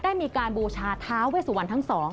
ได้มีการบูชาท้าเวสุวรรณทั้งสอง